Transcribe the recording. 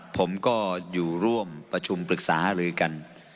ผมก็อยู่ร่วมประชุมปรึกษาหารือกัน